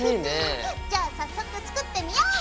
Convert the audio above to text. じゃあ早速作ってみよう！